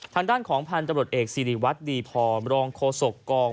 ทางด้านของพันธุ์ตรวจเอกซิริย์วัดดีพร้อมลองโครสกอง